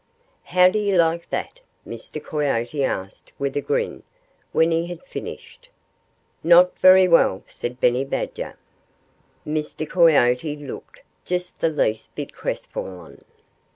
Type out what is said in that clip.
"How do you like that?" Mr. Coyote asked with a grin, when he had finished. "Not very well!" said Benny Badger. Mr. Coyote looked just the least bit crestfallen.